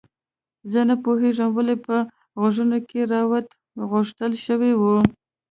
زه نه پوهیږم ولې په غوږونو کې روات غوښتل شوي وو